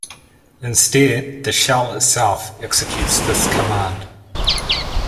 Instead, the shell itself executes this command.